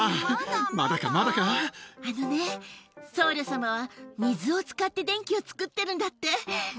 あのね、僧侶様は水を使って電気を作ってるんだって。